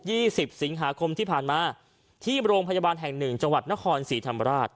สิบสิงหาคมที่ผ่านมาที่โรงพยาบาลแห่งหนึ่งจังหวัดนครศรีธรรมราช